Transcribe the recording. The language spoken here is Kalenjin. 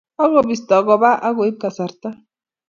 Ak kibisto kobak ak koib kasarta.